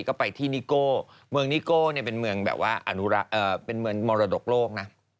ก็ไปที่นิโก้เมืองนิโก้เป็นเมืองแบบว่าเป็นเมืองมรดกโลกนะ